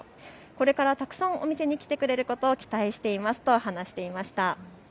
これからたくさんお店に来てくれることを期待していますとお話ししていました。